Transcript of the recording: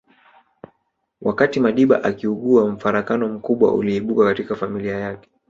Wakati Madiba akiugua mfarakano mkubwa uliibuka katika familia yake